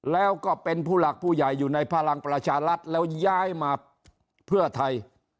แล้วก็เป็นผู้หลักผู้ใหญ่อยู่ในพลังประชารัฐแล้วย้ายมาเพื่อไทย